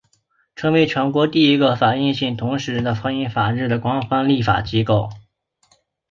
成为全国第一个反对同性婚姻法制化的官方立法机构。